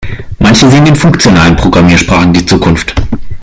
Manche sehen in funktionalen Programmiersprachen die Zukunft.